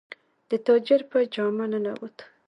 د تاجر په جامه ننووت.